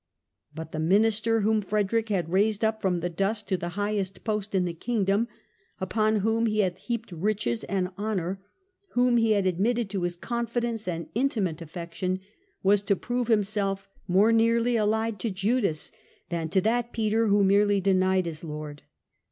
" But the minister, whom Frederick had raised up from the dust to the highest post in the Kingdom, upon whom he had heaped riches and honour, whom he had admitted to his confidence and intimate affection, was to prove himself more nearly allied to Judas than to that Peter who merely denied his Lord.